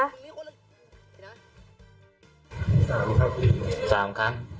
สามครับสามครั้ง